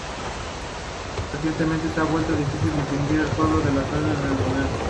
Recientemente se ha vuelto difícil distinguir el pueblo de las aldeas que lo rodean.